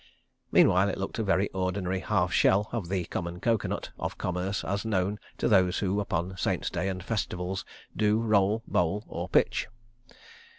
Meanwhile it looked a very ordinary half shell of the common coco nut of commerce as known to those who upon Saints' Days and Festivals do roll, bowl, or pitch.